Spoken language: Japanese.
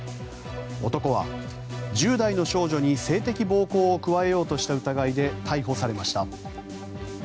男は１０代の少女に性的暴行を加えようとした疑いで逮捕されました。